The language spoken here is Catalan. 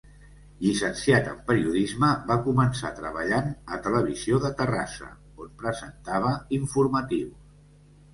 Llicenciat en Periodisme, va començar treballant a Televisió de Terrassa, on presentava informatius.